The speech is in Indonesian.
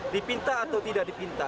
dipinta atau tidak dipinta